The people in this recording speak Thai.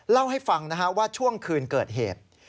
เล่าให้ฟังว่าช่วงคืนเกิดเหตุ